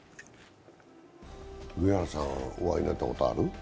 上原さん、お会いになったことある？